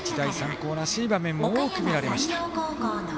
高らしい場面も多く見られました。